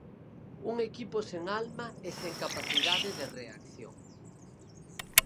Un equipo sen alma e sen capacidade de reacción.